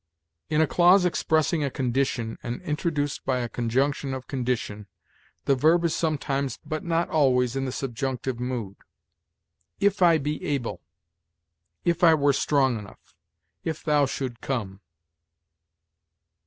In a clause expressing a condition, and introduced by a conjunction of condition, the verb is sometimes, but not always, in the subjunctive mood: 'If I be able,' 'if I were strong enough,' 'if thou should come.'